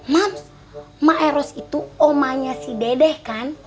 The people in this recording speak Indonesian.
mat maeros itu omanya si dedeh kan